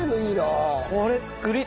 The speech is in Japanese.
これ作りたいわ！